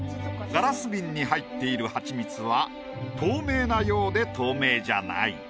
ガラス瓶に入っているハチミツは透明なようで透明じゃない。